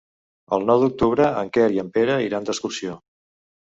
El nou d'octubre en Quer i en Pere iran d'excursió.